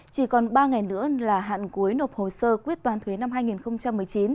chỉ còn ba ngày nữa là hạn cuối nộp hồ sơ quyết toán thuế năm hai nghìn một mươi chín